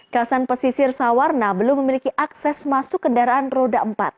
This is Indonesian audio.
kasan pesisir sawarna belum memiliki akses masuk kendaraan roda empat